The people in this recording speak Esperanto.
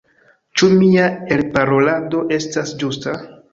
Ĉu mia elparolado estas ĝusta?